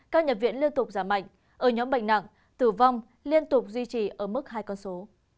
các nhập viện liên tục giảm mạnh ở nhóm bệnh nặng tử vong liên tục duy trì ở mức hai con số